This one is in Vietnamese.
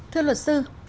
thưa luật sư